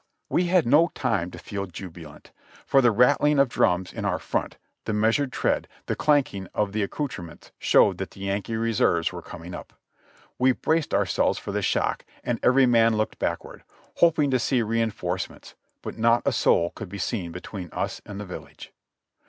W'e had no time to feel jubilant, for the rattling of drums in our front, the measured tread, the clanking of the accoutrements showed that the Yankee reserves were coming up. We braced ourselves for the shock, and every man looked backward, hoping to see rein forcements, but not a soul could be seen between us and the village.